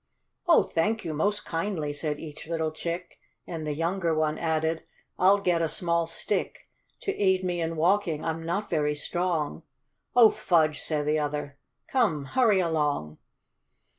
"0, thank you most kindly," said each little chick, And the younger one added: "I'll get a small stick To aid me in walking; I'm not very strong." " 0, fudge !" said the other ;" Come, hurry along."